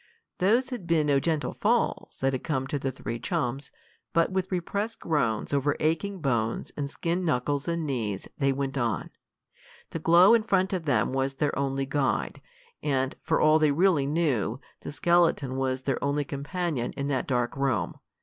Those had been no gentle falls that had come to the three chums, but with repressed groans over aching bones and skinned knuckles and knees they went on. The glow in front of them was their only guide, and, for all they really knew, the skeleton was their only companion in that dark room.